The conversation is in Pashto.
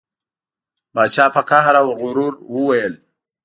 پاچا په قهر او غرور وویل.